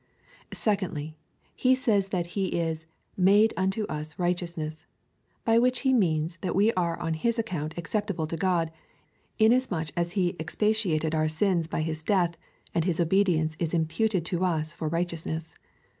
Secondly, he says that he is 'made unto us righteousness, by which he means that we are on his account acceptable to God, inasmuch as he expiated our sins by his death, and his obedience is imputed to us for righteousness.